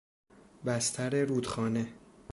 بستر رودخانه